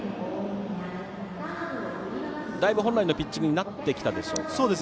だいぶ、本来のピッチングになってきたでしょうか。